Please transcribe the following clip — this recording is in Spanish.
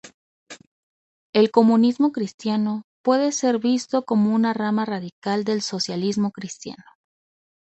El comunismo cristiano puede ser visto como una rama radical del socialismo cristiano.